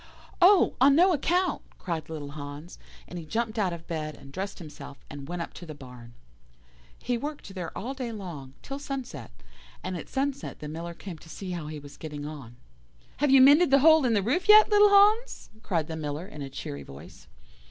"'Oh! on no account,' cried little Hans and he jumped out of bed, and dressed himself, and went up to the barn. "He worked there all day long, till sunset, and at sunset the Miller came to see how he was getting on. "'Have you mended the hole in the roof yet, little Hans?' cried the Miller in a cheery voice.